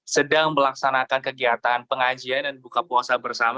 sedang melaksanakan kegiatan pengajian dan buka puasa bersama